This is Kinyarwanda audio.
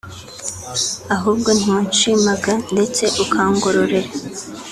Ahubwo ntiwanshimaga ndetse ukangororera